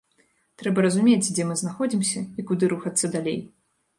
Трэба разумець, дзе мы знаходзімся і куды рухацца далей.